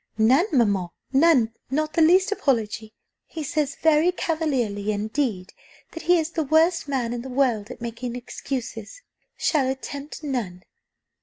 "None, mamma, none not the least apology. He says, very cavalierly indeed, that he is the worst man in the world at making excuses shall attempt none."